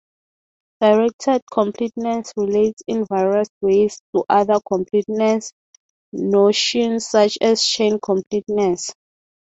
Directed completeness relates in various ways to other completeness notions such as chain completeness.